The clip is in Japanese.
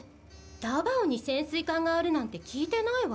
ダバオに潜水艦があるなんて聞いてないわ。